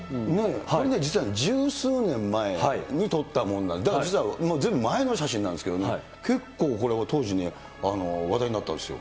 これね、実はね、十数年前に撮ったもので、だから実はずいぶん前の写真なんですけど、結構、これが当時ね、話題になったんですよ。